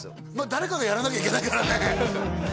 誰かがやらなきゃいけないからね